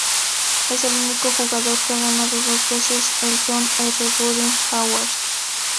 Es el único jugador que ha ganado dos veces el John R. Wooden Award.